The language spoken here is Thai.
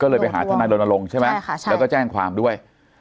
ก็เลยไปหาทนายรณรงค์ใช่ไหมแล้วก็แจ้งความด้วย